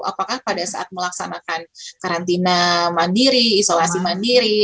apakah pada saat melaksanakan karantina mandiri isolasi mandiri